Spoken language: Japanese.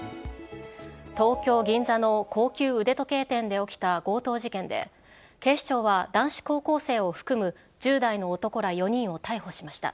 東京・銀座の高級腕時計店で起きた強盗事件で、警視庁は、男子高校生を含む１０代の男ら４人を逮捕しました。